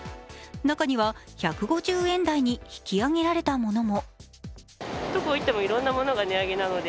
中には１５０円台に引き上げられたものも。